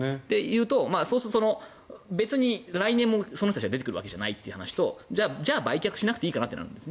そうすると別に来年もその人たちが出てくるわけじゃないという話とじゃあ売却しなくていいかなとなるんです。